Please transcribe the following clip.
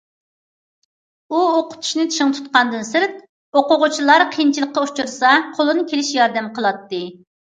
ئۇ ئوقۇتۇشنى چىڭ تۇتقاندىن سىرت، ئوقۇغۇچىلار قىيىنچىلىققا ئۇچرىسا، قولىدىن كېلىشىچە ياردەم قىلاتتى.